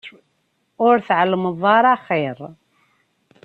Ur tɛellmeḍ ara axir.